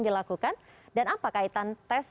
dilakukan dan apa kaitan tes